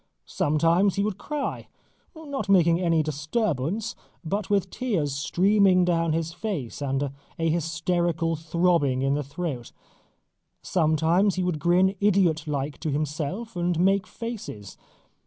Sometimes he would cry not making any disturbance but with tears streaming down his face and a hysterical throbbing in the throat. Sometimes he would grin idiot like to himself and make faces.